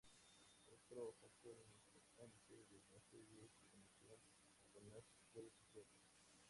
Otro factor importante de la serie es su conexión con las redes sociales.